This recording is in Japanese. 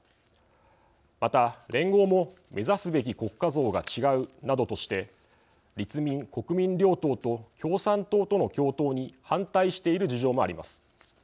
また、連合も目指すべき国家像が違うなどとして立民・国民両党と共産党との共闘に反対している事情もあります。